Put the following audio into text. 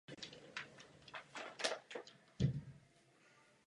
Vůz je usazen na třech podvozcích.